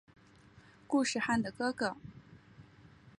固始汗的哥哥。